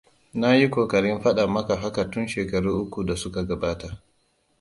Naayi kokarin faɗa maka haka tun shekaru uku da suka gabata.